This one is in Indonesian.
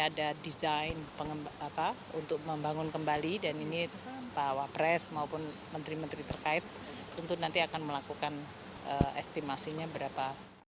ada desain untuk membangun kembali dan ini pak wapres maupun menteri menteri terkait tentu nanti akan melakukan estimasinya berapa